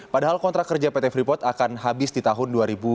padahal kontrak kerja pt freeport akan habis di tahun dua ribu dua puluh